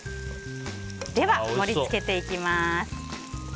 では、盛り付けていきます。